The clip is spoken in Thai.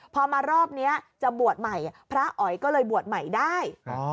พอมารอบนี้จะบวชใหม่พระอ๋อยก็เลยบวชใหม่ได้